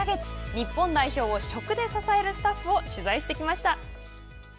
日本代表を食で支えるスタッフを取材してきました。